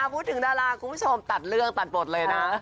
อ่าพูดถึงน่ารักคุณผู้ชมตัดเรื่องตัดบทเลยนะคะ